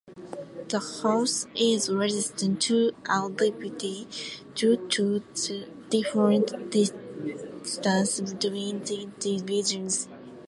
The house is resistant to aridity due to the different distances between the divisions.